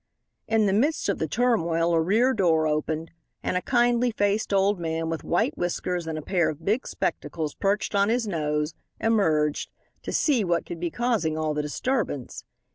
In the midst of the turmoil a rear door opened and a kindly faced old man with white whiskers and a pair of big spectacles perched on his nose, emerged, to see what could be causing all the disturbance.